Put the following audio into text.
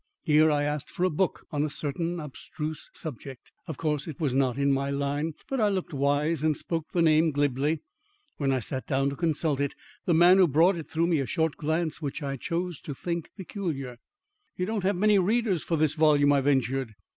Here I asked for a book on a certain abstruse subject. Of course, it was not in my line, but I looked wise and spoke the name glibly. When I sat down to consult it, the man who brought it threw me a short glance which I chose to think peculiar. "You don't have many readers for this volume?" I ventured.